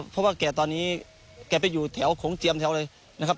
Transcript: เพราะว่าแกตอนนี้แกไปอยู่แถวโขงเจียมแถวเลยนะครับ